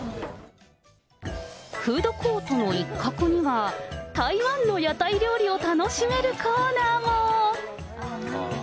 フードコートの一角には、台湾の屋台料理を楽しめるコーナーも。